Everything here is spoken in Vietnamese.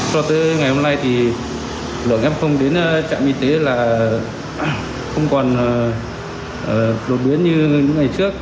so với ngày hôm nay thì lượng f đến trạng y tế là không còn đột biến như ngày trước